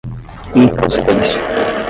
improcedência